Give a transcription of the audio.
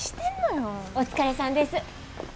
お疲れさんです。